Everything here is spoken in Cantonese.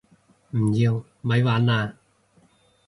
唔要！咪玩啦